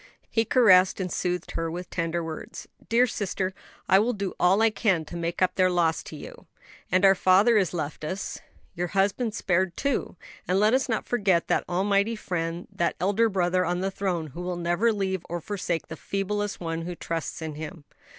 He caressed and soothed her with tender words. "Dear sister, I will do all I can to make up their loss to you. And our father is left us; your husband spared, too. And let us not forget that almighty Friend, that Elder Brother on the throne, who will never leave or forsake the feeblest one who trusts in Him."